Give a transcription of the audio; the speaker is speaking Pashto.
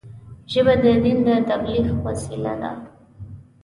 ژبه د دین د تبلیغ وسیله ده